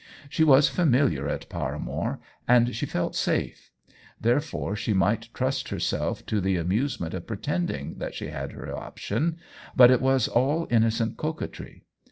She was familiar at Paramore, and she felt safe ; there fore she might trust herself to the amuse ment of pretending that she had her option. But it was all innocent coquetry.